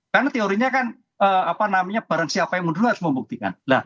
karena teorinya kan barang siapa yang mundur harus membuktikan